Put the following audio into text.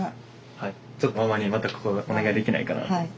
ちょっとママにまたお願いできないかなと思って。